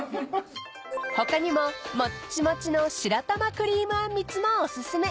［他にももっちもちの白玉クリームあんみつもお薦め］